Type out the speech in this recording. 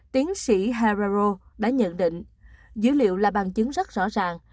tiến sĩ hararo đã nhận định dữ liệu là bằng chứng rất rõ ràng